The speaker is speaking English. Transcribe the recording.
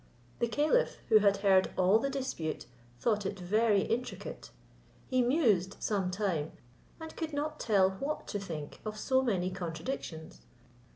The caliph, who had heard all the dispute, thought it very intricate. He mused some time, and could not tell what to think of so many contradictions.